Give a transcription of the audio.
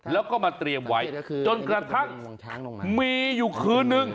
แล้วก็มาเตรียมไว้จนกระทั่งมีอยู่คืนนึง